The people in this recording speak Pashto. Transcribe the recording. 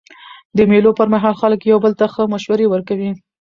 د مېلو پر مهال خلک یو بل ته ښه مشورې ورکوي.